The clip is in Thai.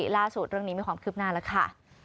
ล่าสุดเรื่องนี้มีความคืบหน้าแล้วค่ะ